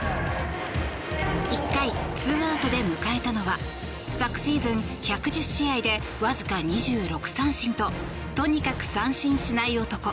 １回、ツーアウトで迎えたのは昨シーズン１１０試合でわずか２６三振ととにかく三振しない男